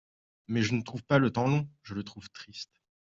Mais je ne trouve pas le temps long, je le trouve triste.